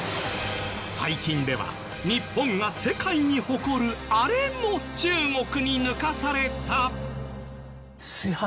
最近では日本が世界に誇るあれも中国に抜かされた。